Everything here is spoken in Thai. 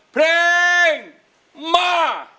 เพลงมา